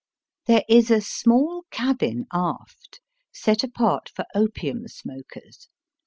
There is a small cabin aft set apart for opium smokers.